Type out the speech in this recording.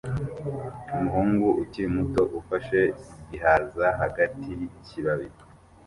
Umuhungu ukiri muto ufashe igihaza hagati yikibabi